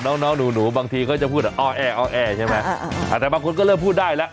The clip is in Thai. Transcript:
เด็กน้องหนูบางทีเขาจะพูดเอาแอใช่ไหมอ่ะแต่บางคนก็เลือกพูดได้ล่ะ